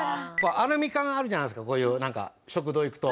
アルミ缶あるじゃないですかこういうなんか食堂行くと。